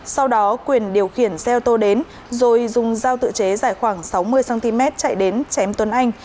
sau đó quyền điều khiển xe ô tô đến rồi dùng dao tự chế dài khoảng sáu mươi cm chạy đến chém tuấn anh